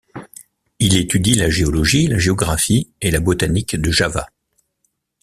Il étudie la géologie, la géographie et la botanique de Java.